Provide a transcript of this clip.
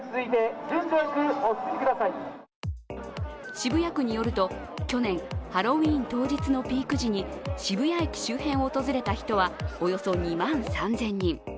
渋谷区によると、去年、ハロウィーン当日のピーク時に渋谷駅周辺を訪れた人はおよそ２万３０００人。